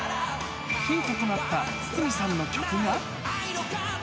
ヒントとなった筒美さんの曲が。